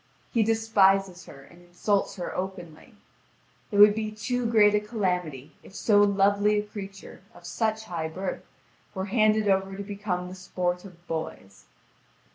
He despises her and insults her openly. It would be too great a calamity if so lovely a creature of such high birth were handed over to become the sport of boys.